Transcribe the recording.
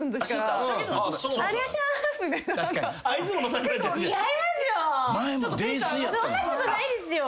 そんなことないですよ。